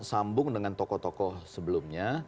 sambung dengan tokoh tokoh sebelumnya